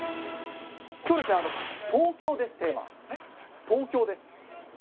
きょうですね、東京です、テーマ、東京？